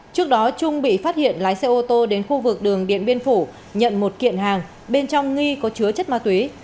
trước đó trung bị phát hiện lái xe ô tô đến khu vực đường điện biên phủ nhận một kiện hàng bên trong nghi có chứa chất ma túy